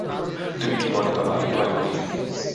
তুমি কি মনে কর, আমি ভয় করি।